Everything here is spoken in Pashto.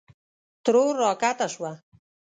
ترور راکښته شوه.